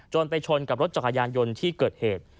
ไปชนกับรถจักรยานยนต์ที่เกิดเหตุ